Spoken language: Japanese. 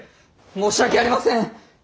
申し訳ありません。